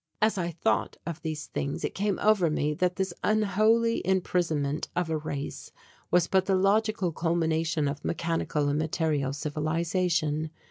As I thought of these things it came over me that this unholy imprisonment of a race was but the logical culmination of mechanical and material civilization.